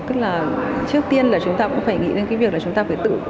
tức là trước tiên là chúng ta cũng phải nghĩ đến cái việc là chúng ta